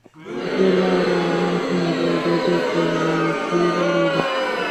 د لاره رڼا هم د دوی په زړونو کې ځلېده.